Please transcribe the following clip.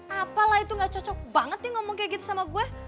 apalah itu gak cocok banget nih ngomong kayak gitu sama gue